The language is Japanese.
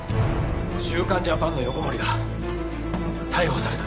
『週刊ジャパン』の横森が逮捕されたそうです。